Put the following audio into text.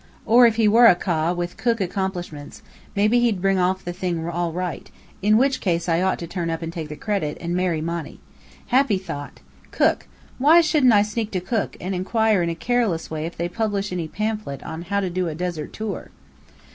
Or if he were a Ka with Cook accomplishments, maybe he'd bring the thing off all right, in which case I could turn up and take the credit and marry Monny. Happy thought! Cook! Why shouldn't I sneak to Cook, and inquire in a careless way if they publish any pamphlet on "How to Do a Desert Tour."